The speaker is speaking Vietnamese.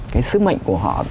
cái sứ mệnh của họ